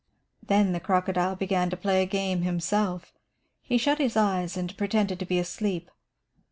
"Then the crocodile began to play a game himself. He shut his eyes and pretended to be asleep.